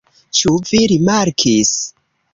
Ĉu vi rimarkis?